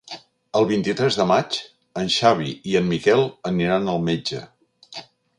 El vint-i-tres de maig en Xavi i en Miquel aniran al metge.